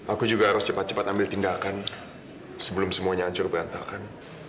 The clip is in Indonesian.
aku juga harus cepat cepat ambil tindakan sebelum semuanya hancur berantakan